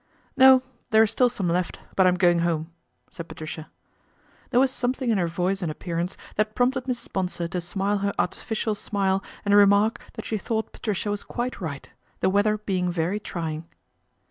" No ; there is still some left ; but I'm going home," said Patricia. There was something in hei voice and appearance that prompted Mrs. Bonsor to smile her artificial smile and remark that she thought Patricia was quite right, the weather being very trying.